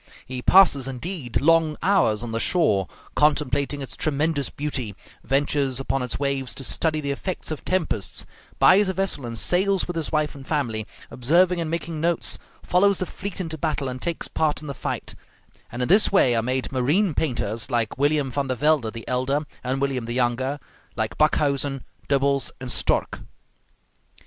He passes, indeed, long hours on the shore, contemplating its tremendous beauty, ventures upon its waves to study the effects of tempests, buys a vessel and sails with his wife and family, observing and making notes, follows the fleet into battle and takes part in the fight; and in this way are made marine painters like William Van der Velde the elder and William the younger, like Backhuysen, Dubbels, and Stork.